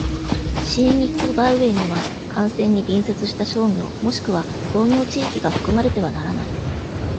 シーニックバイウェイには、幹線に隣接した商業、もしくは工業地域が含まれてはならない。